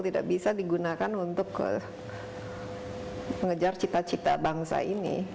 tidak bisa digunakan untuk mengejar cita cita bangsa ini